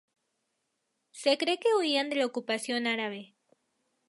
Se cree que huían de la ocupación árabe.